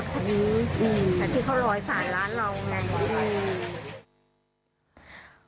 ที่เขารอยผ่านร้านเรามัย